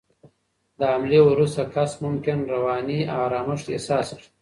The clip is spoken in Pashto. د حملې وروسته کس ممکن رواني آرامښت احساس کړي.